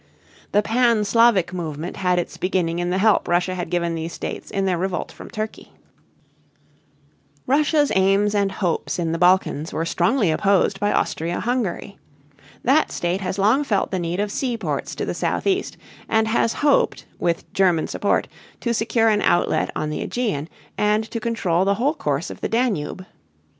The pan Slavic movement had its beginning in the help Russia had given these states in their revolt from Turkey. Russia's aims and hopes in the Balkans were strongly opposed by Austria Hungary. That state has long felt the need of seaports to the southeast and has hoped, with German support, to secure an outlet on the Ægean and to control the whole course of the Danube.